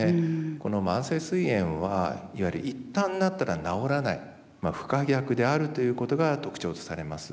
この慢性すい炎はいわゆる一旦なったら治らない不可逆であるということが特徴とされます。